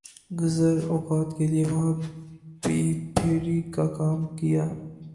گزر اوقات کیلئے وہاں بھی پھیر ی کاکام کیا۔